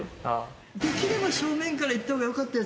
できれば正面からいった方がよかった。